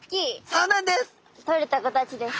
そうなんです。